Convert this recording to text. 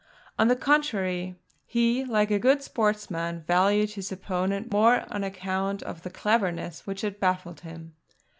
On the contrary, he, like a good sportsman, valued his opponent more on account of the cleverness which had baffled him.